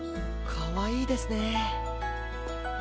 かわいいですね。